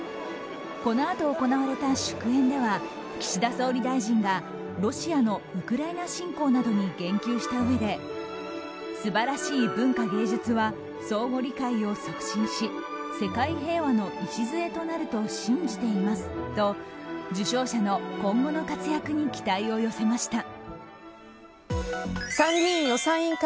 このあと行われた祝宴では岸田総理大臣がロシアのウクライナ侵攻などに言及したうえで素晴らしい文化芸術は相互理解を促進し世界平和の礎となると信じていますと受賞者の今後の活躍に期待を寄せました。